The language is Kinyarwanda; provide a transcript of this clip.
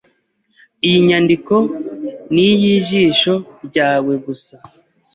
Iyi nyandiko ni iyijisho ryawe gusa.